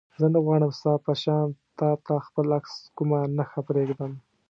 زه نه غواړم ستا په شان تا ته خپل عکس کومه نښه پرېږدم.